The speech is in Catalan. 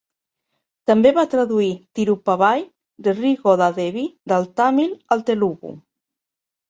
També va traduir Tiruppavai de Sri Goda Devi del tàmil al telugu.